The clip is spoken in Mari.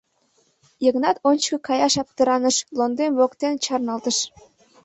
Йыгнат ончыко каяш аптыраныш, лондем воктен чарналтыш.